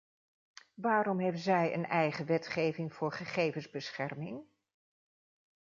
Waarom heeft zij een eigen wetgeving voor gegevensbescherming?